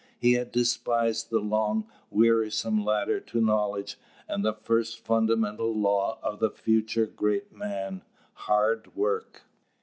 He had despised the long, wearisome ladder to knowledge, and the first fundamental law of the future great man, hard work.